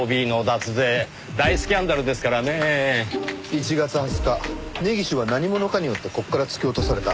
１月２０日根岸は何者かによってここから突き落とされた。